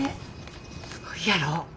すごいやろ？